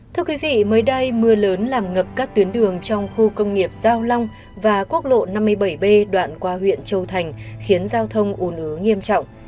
thưa quý vị mới đây mưa lớn làm ngập các tuyến đường trong khu công nghiệp giao long và quốc lộ năm mươi bảy b đoạn qua huyện châu thành khiến giao thông ủn ứ nghiêm trọng